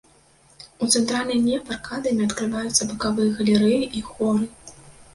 У цэнтральны неф аркадамі адкрываюцца бакавыя галерэі і хоры.